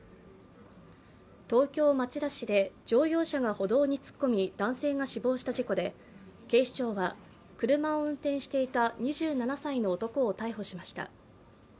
東京・町田市で乗用車が歩道に突っ込み男性が死亡した事故で、警視庁は車を運転していた２７歳の男を逮捕しました。